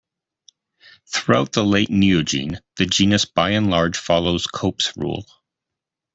Throughout the late Neogene, the genus by and large follows Cope's Rule.